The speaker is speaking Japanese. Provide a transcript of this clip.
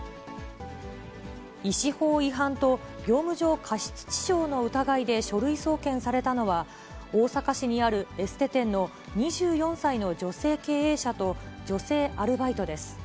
医師法違反と、業務上過失致傷の疑いで書類送検されたのは、大阪市にあるエステ店の２４歳の女性経営者と女性アルバイトです。